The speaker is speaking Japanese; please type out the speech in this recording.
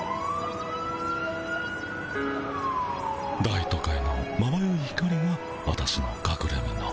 大都会のまばゆい光が私のかくれみの。